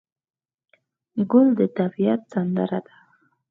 ګل د طبیعت سندره ده.